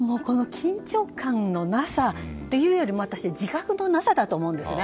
緊張感のなさというよりも自覚のなさだと思うんですね。